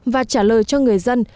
và trả lời cho người dân